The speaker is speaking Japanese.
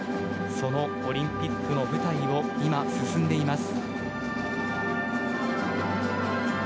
そのオリンピックの舞台を今、進んでいます。